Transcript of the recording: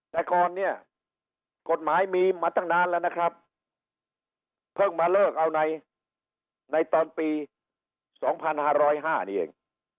แต่ก่อนเนี่ยกฎหมายมีมาตั้งนานแล้วนะครับเพิ่งมาเลิกเอาในในตอนปีสองพันหาร้อยห้านี่เอง